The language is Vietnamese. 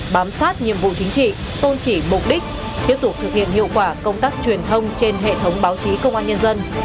bám sát nhiệm vụ chính trị tôn trị mục đích tiếp tục thực hiện hiệu quả công tác truyền thông trên hệ thống báo chí công an nhân dân